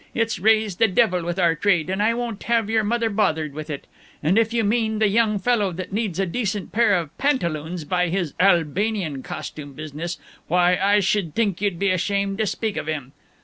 It's raised the devil with our trade, and I won't have your mother bothered with it. And if you mean the young fellow that needs a decent pair of pantaloons by this 'Albanian costume' business, why I sh'd think you'd be ashamed to speak of him."